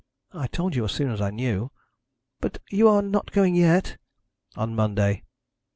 'I told you as soon as I knew.' 'But you are not going yet?' 'On Monday.'